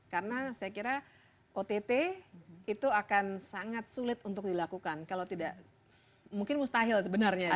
karena saya kira ott itu akan sangat sulit untuk dilakukan kalau tidak mungkin mustahil sebenarnya gitu ya